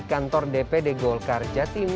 kantor dpd golkar jatim